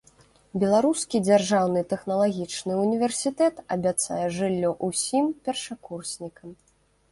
Беларускі дзяржаўны тэхналагічны ўніверсітэт абяцае жыллё ўсім першакурснікам.